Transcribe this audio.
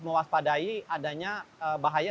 mewaspadai adanya bahaya